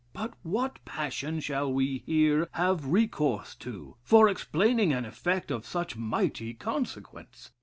But what passion shall we here have recourse to, for explaining an effect of such mighty consequence?